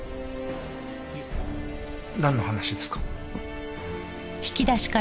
えっなんの話ですか？